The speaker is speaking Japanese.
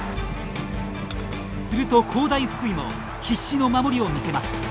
すると工大福井も必死の守りを見せます。